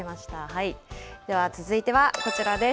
では続いてはこちらです。